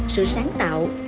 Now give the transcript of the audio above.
sự sáng tạo